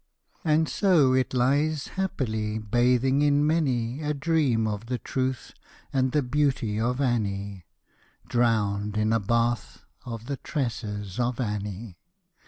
And so it lies happily, Bathing in many A dream of the truth And the beauty of Annie Drowned in a bath Of the tresses of Annie.